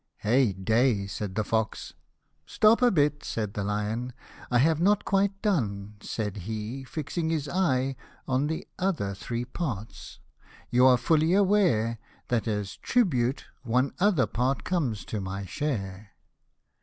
" 77 "Hey day!" said the fox; "Stop a bit," said the lion; " I have not quite done/' said he, fixing his eye on The other three parts; "you are fully aware, That, as tribute, one other part comes to my share."